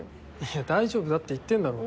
いや大丈夫だって言ってんだろ。